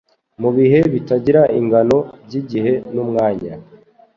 Mubihe bitagira ingano byigihe n'umwanya